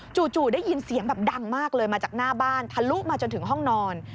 จู่ได้ยินเสียงแบบดังมากเลยมาจากหน้าบ้านทะลุมาจนถึงห้องนอน